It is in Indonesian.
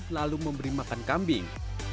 lalu memberi makan kambing